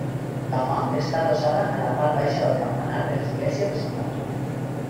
La font està adossada a la part baixa del campanar de l'església de Sant Bartomeu.